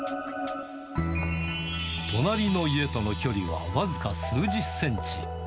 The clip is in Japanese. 隣の家との距離は僅か数十センチ。